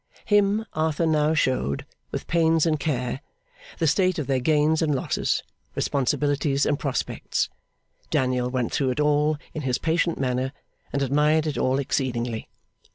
Him Arthur now showed, with pains and care, the state of their gains and losses, responsibilities and prospects. Daniel went through it all in his patient manner, and admired it all exceedingly.